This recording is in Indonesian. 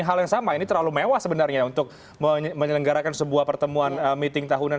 hal yang sama ini terlalu mewah sebenarnya untuk menyelenggarakan sebuah pertemuan meeting tahunan